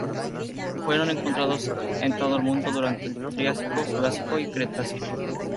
Fueron encontrados en todo el mundo durante el Triásico, Jurásico y Cretácico.